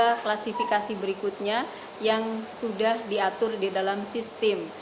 ada klasifikasi berikutnya yang sudah diatur di dalam sistem